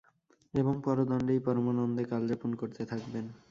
এবং পরদণ্ডেই পরমানন্দে কালযাপন করতে থাকবেন।